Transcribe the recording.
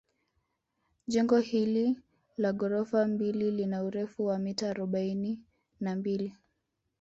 Jengo hili la ghorofa mbili lina urefu wa mita arobaini na mbili